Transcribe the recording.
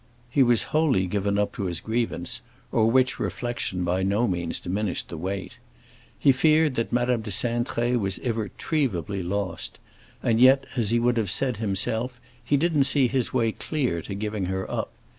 He was wholly given up to his grievance, of which reflection by no means diminished the weight. He feared that Madame de Cintré was irretrievably lost; and yet, as he would have said himself, he didn't see his way clear to giving her up.